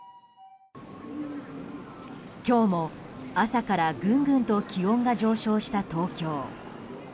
今日も朝からぐんぐんと気温が上昇した東京。